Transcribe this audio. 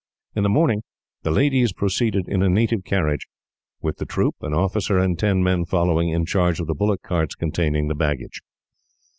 In the morning, the ladies proceeded in a native carriage; with the troop, an officer and ten men following, in charge of the bullock carts containing the baggage.